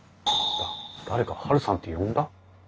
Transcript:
誰か「ハルさん」って呼んだ？